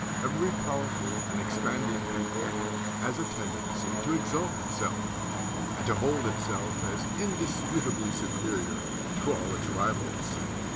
Every powerful and expand ing people has a tendency to exalt itself, and to hold itself as indisputably superior to all its rivals.